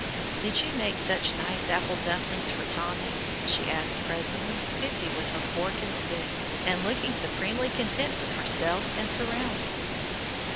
"Did you make such nice apple dumplings for Tommy?" she asked presently, busy with her fork and spoon, and looking supremely content with herself and surroundings.